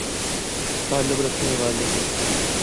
تعلق رکھنے والے